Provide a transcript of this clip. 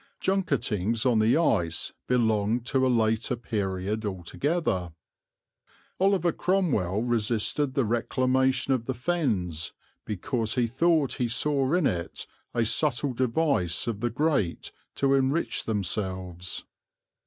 Junketings on the ice belonged to a later period altogether. Oliver Cromwell resisted the reclamation of the Fens because he thought he saw in it a subtle device of the great to enrich themselves.